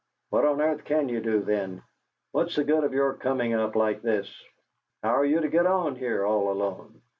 "What on earth can you do, then? What's the good of your coming up like this? How are you to get on here all alone?